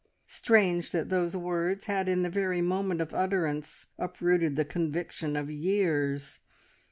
Strange that those words had in the very moment of utterance uprooted the conviction of years!